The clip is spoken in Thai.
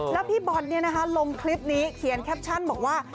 แล้วพี่บอลลงคลิปนี้เขียนแคปชั่นบอกว่า